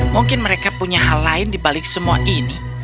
mungkin mereka punya hal lain dibalik semua ini